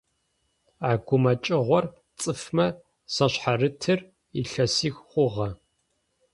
А гумэкӏыгъор цӏыфмэ зашъхьарытыр илъэсих хъугъэ.